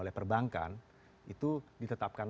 tapi problemnya berdasarkan regulasi yang diterapkan